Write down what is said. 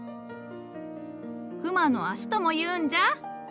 クマの足ともいうんじゃ。